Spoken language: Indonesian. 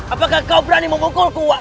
apakah kau berani memukulku wak